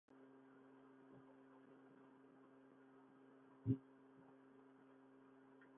Els autobusos viatgen a diari a Chalatenango i San Salvador.